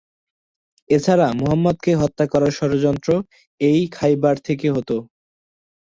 এছাড়া মুহাম্মাদ কে হত্যা করার ষড়যন্ত্র এই খায়বার থেকে হত।